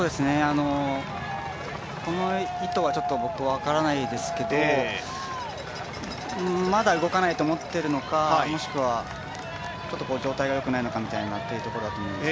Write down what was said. この意図は僕、分からないですけどまだ、動かないと思っているのかもしくはちょっと状態がよくないのかというところかと思います。